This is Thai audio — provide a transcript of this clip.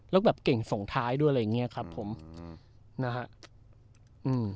แล้วแบบเก่งส่งท้ายด้วยอะไรอย่างเงี้ยครับผมอืมนะฮะอืม